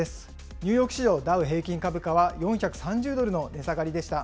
ニューヨーク市場ダウ平均株価は４３０ドルの値下がりでした。